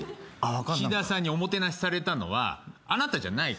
岸田さんにおもてなしされたのはあなたじゃないから。